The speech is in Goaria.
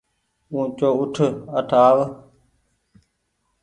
اُوچو اُٺ اٺ آو